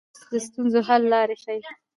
کورس د ستونزو حل لاره ښيي.